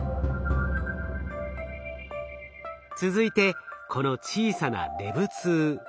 続いてこの小さなＬＥＶ−２。